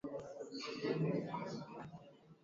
hakuna mtu anayeshikiliwa kuhusiana na tukio hilo